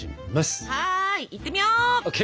はいいってみよう！ＯＫ！